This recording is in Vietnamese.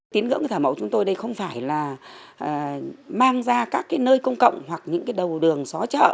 tín ngưỡng của thả mẫu chúng tôi đây không phải là mang ra các nơi công cộng hoặc những đầu đường xóa chợ